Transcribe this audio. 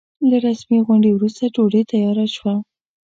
له رسمي غونډې وروسته ډوډۍ تياره شوه.